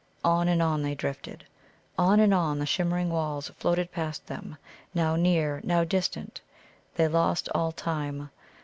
On and on they drifted. On and on the shimmering walls floated past them, now near, now distant. They lost all time.